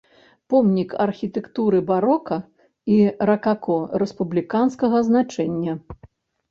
Помнік архітэктуры барока і ракако рэспубліканскага значэння.